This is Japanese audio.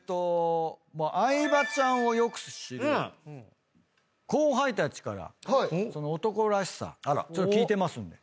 相葉ちゃんをよく知る後輩たちから男らしさ聞いてますんで。